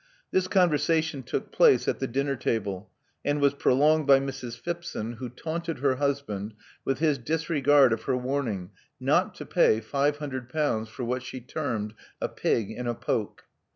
'' This conversation took place at the dinner table, and was prolonged by Mrs. Phipson, who taunted her husband with his disregard of her warning not to pay five hundred pounds for what she termed a pig in a poke.